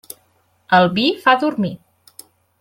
El vi fa dormir.